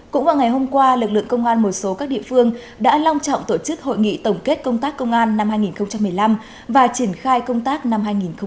cũng vào ngày hôm qua lực lượng công an một số các địa phương đã long trọng tổ chức hội nghị tổng kết công tác công an năm hai nghìn một mươi năm và triển khai công tác năm hai nghìn một mươi chín